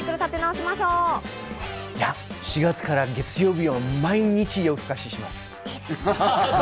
いや、４月から月曜日は毎日、夜ふかしします。